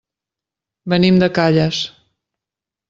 Venim de Calles.